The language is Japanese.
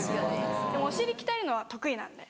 お尻鍛えるのは得意なんで。